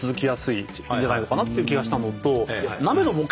じゃないのかなっていう気がしたのと。